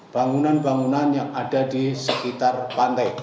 bangunan bangunan yang ada di sekitar pantai